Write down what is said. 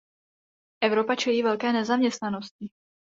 Evropa čelí velké nezaměstnanosti.